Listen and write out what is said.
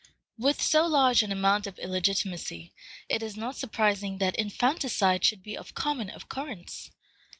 With so large an amount of illegitimacy, it is not surprising that infanticide should be of common occurrence.